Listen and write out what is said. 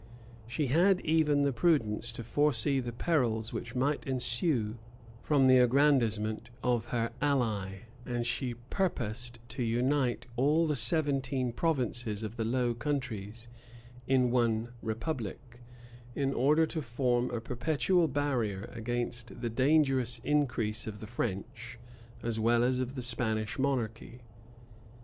She had even the prudence to foresee the perils which might ensue from the aggrandizement of her ally; and she purposed to unite all the seventeen provinces of the Low Countries in one republic, in order to form a perpetual barrier against the dangerous increase of the French as well as of the Spanish monarchy.